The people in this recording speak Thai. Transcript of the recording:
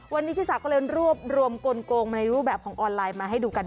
วันนี้ชิสาก็เลยรวบรวมกลงในรูปแบบของออนไลน์มาให้ดูกัน